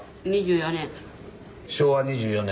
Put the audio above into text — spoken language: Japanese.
昭和２４年。